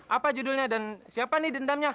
apa judulnya dan siapa nih dendamnya